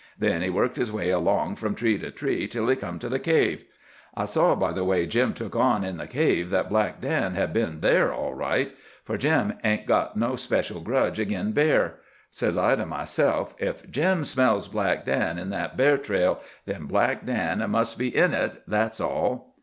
Then he worked his way along from tree to tree till he come to the cave. I saw by the way Jim took on in the cave that Black Dan had been there all right. For Jim hain't got no special grudge agin bear. Says I to myself, ef Jim smells Black Dan in that bear trail, then Black Dan must be in it, that's all!